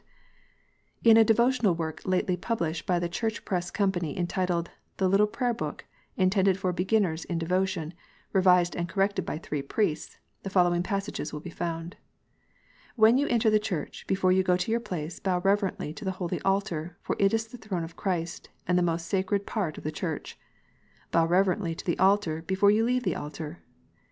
* In a devotional work lately published by the Church Press Company, entitled " The Little Prayer book, intended for Beginners in Devotion, revised and corrected by three Priests," the following passages will be found :" When you enter the church, before you go to your place, bow reverently to the holy altar, for it is the throne of Christ, and the most sacred part of the church." " Bow reverently to the altar, before you leave the altar."